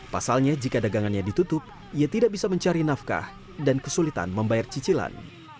pasalnya jika dagangannya ditutup ia tidak bisa mencari nafkah dan kesulitan membayar cicilan